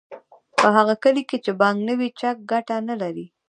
په هغه کلي کې چې بانک نه وي چک ګټه نلري